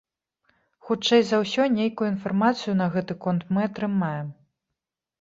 Хутчэй за ўсё, нейкую інфармацыю на гэты конт мы атрымаем.